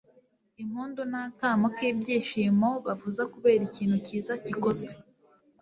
impundu ni akamo k'ibyishimo bavuza kubera ikintu kiza gikozwe